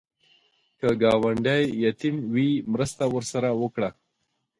که ګاونډی یتیم وي، مرسته ورسره وکړه